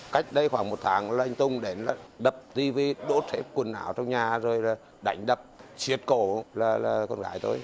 cách đây khoảng một tháng là anh tùng đến là đập tv đốt hết quần áo trong nhà rồi là đánh đập xiết cổ là con gái tôi